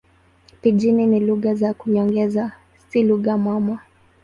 Pijini ni lugha za nyongeza, si lugha mama.